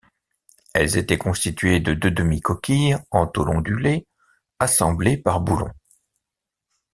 Elles étaient constituées de deux demi-coquilles en tôle ondulée, assemblées par boulons.